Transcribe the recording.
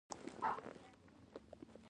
دا د لوړې علمي سیالۍ نښه ده.